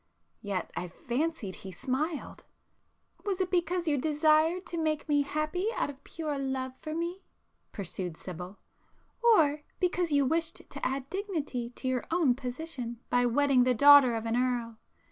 Yet ... I fancied he smiled! "Was it because you desired to make me happy out of pure love for me?" pursued Sibyl—"Or because you wished to add dignity to your own position by wedding the daughter of an Earl?